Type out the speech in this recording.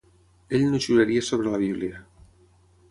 Ell no juraria sobre la Bíblia.